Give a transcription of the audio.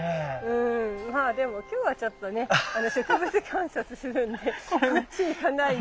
うんまあでも今日はちょっとね植物観察するんでこっち行かないで。